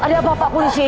ada apa pak polisi